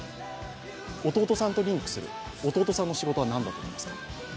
弟さんとリンクする、弟さんの仕事は何だと思いますか？